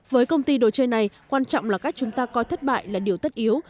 với công ty đồ chơi này quan trọng là cách chúng ta coi thất bại là điều tất yếu